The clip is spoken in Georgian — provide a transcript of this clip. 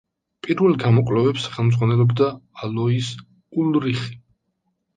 პირველ გამოკვლევებს ხელმძღვანელობდა ალოიზ ულრიხი.